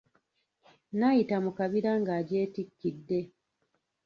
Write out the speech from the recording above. N'ayita mu kabira ng'agyetikkidde.